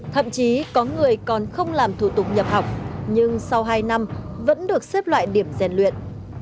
thậm chí có người còn không làm thủ tục nhập học nhưng sau hai năm vẫn được xếp loại điểm rèn luyện